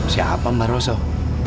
siapa mbah rosok